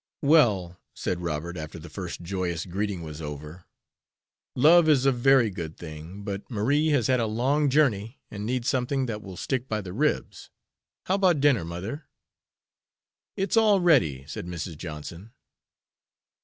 "Well," said Robert, after the first joyous greeting was over, "love is a very good thing, but Marie has had a long journey and needs something that will stick by the ribs. How about dinner, mother?" "It's all ready," said Mrs. Johnson.